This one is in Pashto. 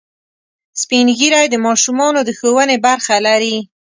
سپین ږیری د ماشومانو د ښوونې برخه لري